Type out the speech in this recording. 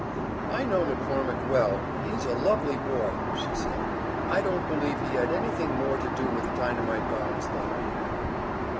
"I know McCormick well, and he's a lovely boy," she said. "I don't believe he had anything more to do with dynamite bombs than I have."